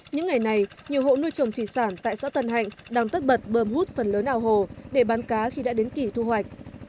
những ngày này nhiều hộ nuôi trồng thủy sản tại xã tân hạnh đang tất bật bơm hút phần lớn ao hồ để bán cá khi đã đến kỳ thu hoạch